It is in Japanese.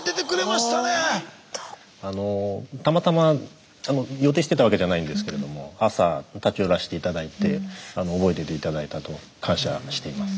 あのたまたま予定してたわけじゃないんですけれども朝立ち寄らせて頂いて覚えてて頂いたと。感謝しています。